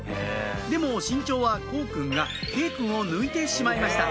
でも身長は幸くんが慶くんを抜いてしまいました